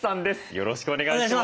よろしくお願いします。